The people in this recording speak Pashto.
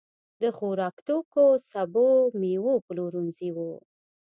د خوراکتوکو، سبو، مېوو پلورنځي وو.